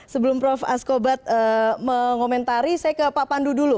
sebelum prof askobat mengomentari saya ke pak pandu dulu